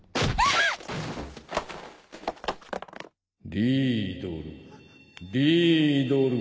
・リィードルリィードル。